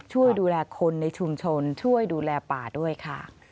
ช่วยดูแลคนในชุมชนช่วยดูแลป่าด้วยค่ะ